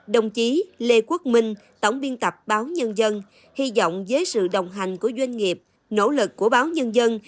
đồng chí lê quốc minh tổng biên tập báo nhân dân hy vọng với sự đồng hành của doanh nghiệp nỗ lực của báo nhân dân